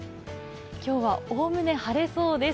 今日はおおむね晴れそうです。